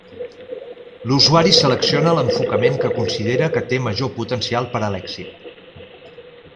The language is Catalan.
L'usuari selecciona l'enfocament que considera que té major potencial per a l'èxit.